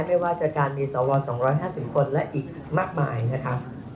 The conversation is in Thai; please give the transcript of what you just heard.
ไม่ว่าจะการมีสว๒๕๐คนและอีกมากมายนะครับ